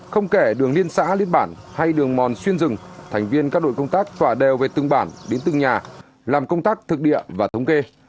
không kể đường liên xã liên bản hay đường mòn xuyên rừng thành viên các đội công tác tỏa đều về từng bản đến từng nhà làm công tác thực địa và thống kê